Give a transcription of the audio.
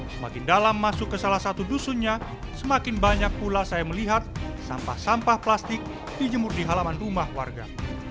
semakin dalam masuk ke salah satu dusunnya semakin banyak pula saya melihat sampah sampah plastik dijemur di halaman rumah warga